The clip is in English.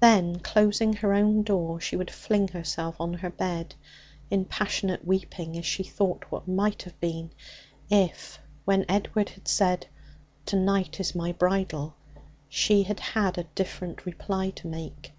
Then, closing her own door, she would fling herself on her bed in passionate weeping as she thought what might have been if, when Edward had said, 'To night is my bridal,' she had had a different reply to make.